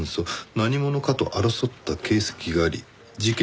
「何者かと争った形跡があり事件と断定」